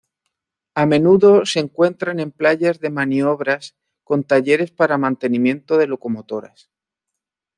A menudo se encuentran en playas de maniobras con talleres para mantenimiento de locomotoras.